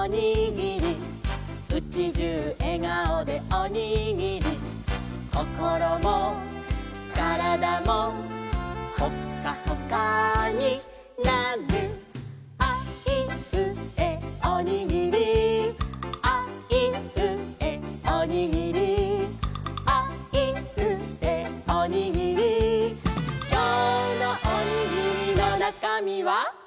「うちじゅうえがおでおにぎり」「こころもからだも」「ホッカホカになる」「あいうえおにぎり」「あいうえおにぎり」「あいうえおにぎり」「きょうのおにぎりのなかみは？」